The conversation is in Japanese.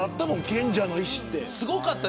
賢者の石って。